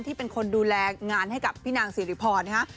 ที่เป็นคนดูแลงานให้กับพี่นางสิริพรนะฮะ